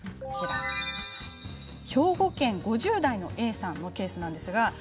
兵庫県５０代のＡさんのケースです。